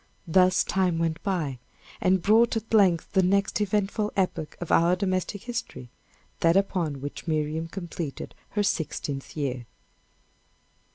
Thus time went by, and brought at length the next eventful epoch of our domestic history that upon which Miriam completed her sixteenth year.